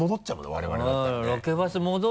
我々だったらね